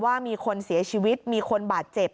ว่ามีคนเสียชีวิตมีคนบาดเจ็บ